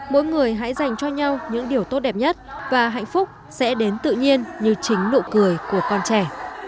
mỗi người hãy dành cho nhau những điều tốt đẹp nhất và hạnh phúc sẽ đến tự nhiên như chính nụ cười của con trẻ